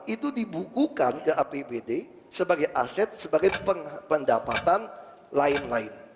itu dibukukan ke apbd sebagai aset sebagai pendapatan lain lain